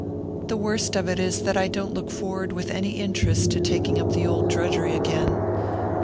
"The worst of it is that I don't look forward with any interest to taking up the old drudgery again.